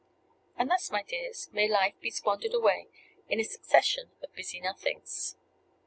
And thus, my dears, may life be squandered away, in a succession of busy nothings.